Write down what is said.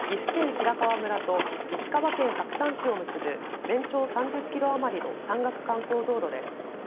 白川村と石川県白山市を結ぶ全長３０キロ余りの山岳観光道路です。